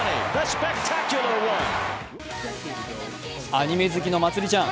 アニメ好きのまつりちゃん